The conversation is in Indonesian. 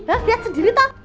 hah liat sendiri ta